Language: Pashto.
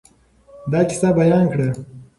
دا قصه بیان کړه.